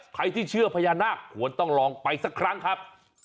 ใครที่เชื่อภรรยาหน้าควรหลองไปสักครั้งครับ